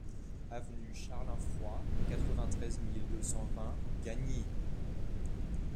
Avenue Charles Infroit, quatre-vingt-treize mille deux cent vingt Gagny